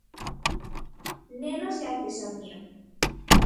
Nenos e artesanía.